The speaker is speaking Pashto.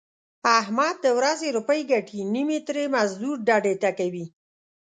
احمد د ورځې روپۍ ګټي نیمې ترې مزدور ډډې ته کوي.